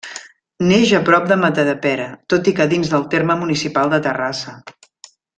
Neix a prop de Matadepera, tot i que dins del terme municipal de Terrassa.